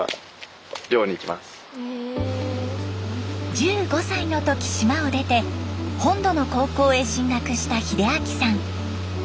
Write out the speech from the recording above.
１５歳の時島を出て本土の高校へ進学した秀明さん。